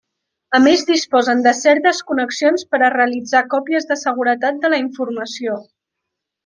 A més disposen de certes connexions per a realitzar còpies de seguretat de la informació.